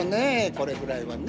これくらいはね。